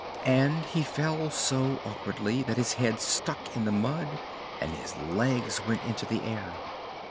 And he fell so awkwardly that his head stuck in the mud and his legs went into the air.